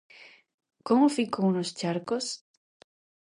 Como ficou nos charcos?